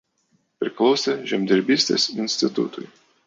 Priklausė Žemdirbystės institutui.